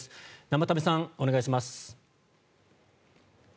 生田目さん、お願いします。